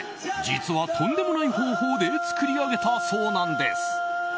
実は、とんでもない方法で作り上げたそうなんです。